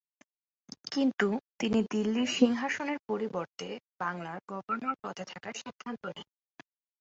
কিন্তু তিনি দিল্লির সিংহাসনের পরিবর্তে বাংলার গভর্নর পদে থাকার সিদ্ধান্ত নেন।